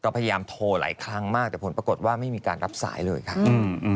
พยายามโทรหลายครั้งมากแต่ผลปรากฏว่าไม่มีการรับสายเลยค่ะอืม